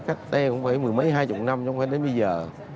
cách đây cũng phải mười mấy hai chục năm chẳng phải đến bây giờ